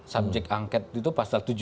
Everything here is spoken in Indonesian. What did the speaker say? subjek angket itu pasal tujuh puluh sembilan